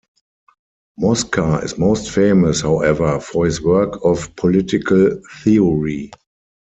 Mosca is most famous, however, for his works of political theory.